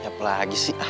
ucap lagi sih ah